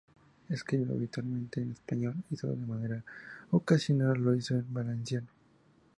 Escribió habitualmente en español, y solo de manera ocasional lo hizo en valenciano.